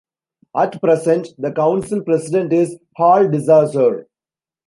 At present, the Council President is Hal DeSaussure.